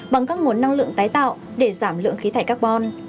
bằng các nguồn năng lượng tái tạo để giảm lượng khí thải carbon